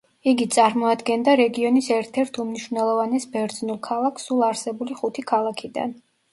იგი წარმოადგენდა რეგიონის ერთ-ერთ უმნიშვნელოვანეს ბერძნულ ქალაქს სულ არსებული ხუთი ქალაქიდან.